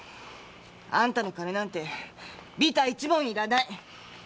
あんたの金なんてビタ一文いらない。